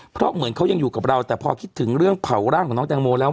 เพราะเหมือนเขายังอยู่กับเราแต่พอคิดถึงเรื่องเผาร่างของน้องแตงโมแล้ว